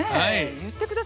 言ってください。